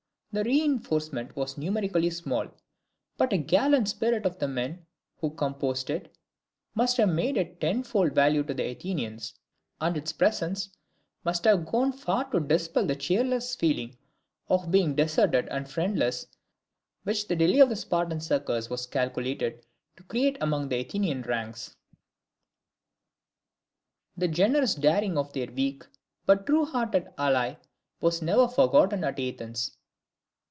The reinforcement was numerically small; but the gallant spirit of the men who composed it must have made it of tenfold value to the Athenians: and its presence must have gone far to dispel the cheerless feeling of being deserted and friendless, which the delay of the Spartan succours was calculated to create among the Athenian ranks. This generous daring of their weak but true hearted ally was never forgotten at Athens.